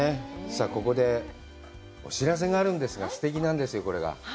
さあ、ここでお知らせがあるんですが、すてきなんですよ、これが。